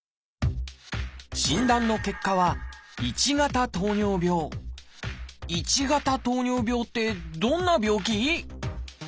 診断の結果は「１型糖尿病」ってどんな病気？